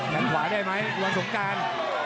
งขวาได้ไหมวันสงการ